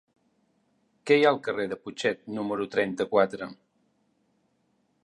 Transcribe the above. Què hi ha al carrer del Putxet número trenta-quatre?